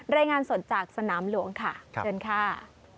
รายงานสดจากสนามหลวงค่ะเชิญค่ะ